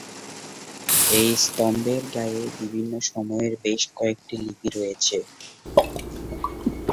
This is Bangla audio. এই স্তম্ভের গায়ে বিভিন্ন সময়ের বেশ কয়েকটি লিপি রয়েছে।